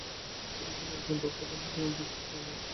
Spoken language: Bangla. তিনি ছিলেন একজন দক্ষ প্রশাসক ও যোগ্য সেনানায়ক।